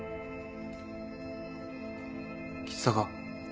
橘高。